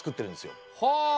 はあ。